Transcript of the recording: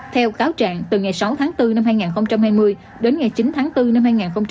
theo cáo trạng từ ngày sáu tháng bốn năm hai nghìn hai mươi đến ngày chín tháng bốn năm hai nghìn hai mươi